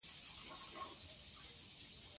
د جملې ټولي کلیمې باید لغوي يا ګرامري مانا ولري.